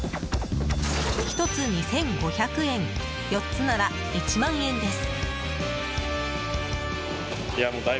１つ、２５００円４つなら１万円です。